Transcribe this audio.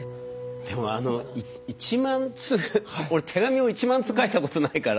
でもあの１万通俺手紙を１万通書いたことないから。